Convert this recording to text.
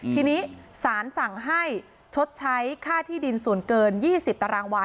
ทีนี้สารสั่งให้ชดใช้ค่าที่ดินส่วนเกิน๒๐ตารางวา